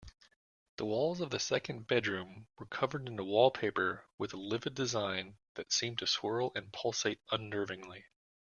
The walls of the second bedroom were covered in a wallpaper with a livid design that seemed to swirl and pulsate unnervingly.